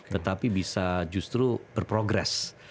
tetapi bisa justru berprogress